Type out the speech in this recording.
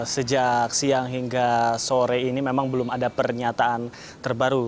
sejak siang hingga sore ini memang belum ada pernyataan terbaru